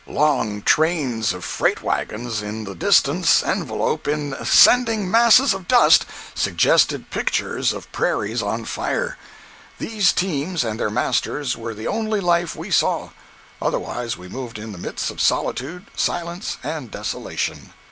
Long trains of freight wagons in the distance enveloped in ascending masses of dust suggested pictures of prairies on fire. These teams and their masters were the only life we saw. Otherwise we moved in the midst of solitude, silence and desolation.